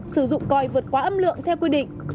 sử dụng còi vượt quá âm lượng theo quy định